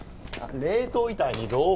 冷凍遺体にローファー。